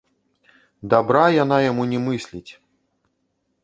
Дабра яна яму не мысліць.